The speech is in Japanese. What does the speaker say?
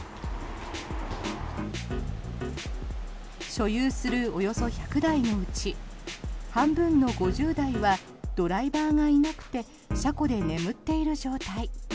所有するおよそ１００台のうち半分の５０台はドライバーがいなくて車庫で眠っている状態。